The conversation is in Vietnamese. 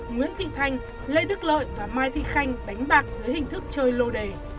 nguyễn thị thanh lê đức lợi và mai thị khanh đánh bạc dưới hình thức chơi lô đề